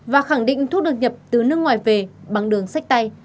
và khẳng định thuốc được nhập từ nước ngoài về bằng đường sách tay